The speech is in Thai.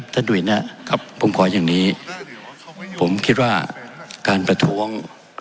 ดุยนะครับผมขออย่างนี้ผมคิดว่าการประท้วง